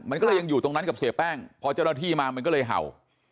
มันก็เลยยังอยู่ตรงนั้นกับเสียแป้งพอเจ้าหน้าที่มามันก็เลยเห่า